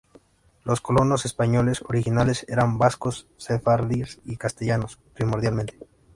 Los colonos españoles originales eran vascos, sefardíes y castellanos primordialmente.